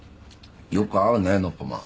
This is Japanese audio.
よく会うねノッポマン。